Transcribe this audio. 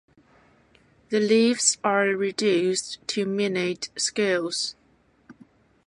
The leaves are reduced to minute scales.